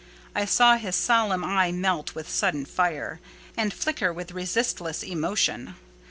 I saw his solemn eye melt with sudden fire, and flicker with resistless emotion.